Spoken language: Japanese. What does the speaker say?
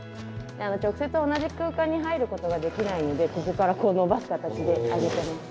直接同じ空間に入ることができないのでここからこう伸ばす形であげてます。